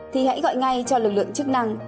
thì hãy gọi ngay cho lực lượng chức năng